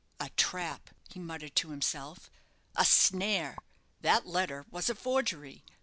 "A trap!" he muttered to himself; "a snare! That letter was a forgery!"